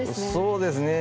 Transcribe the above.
そうですね。